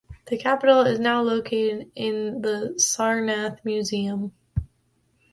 The capital is now located in the Sarnath Museum.